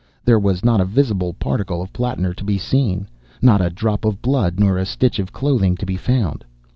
There was not a visible particle of Plattner to be seen; not a drop of blood nor a stitch of clothing to be found.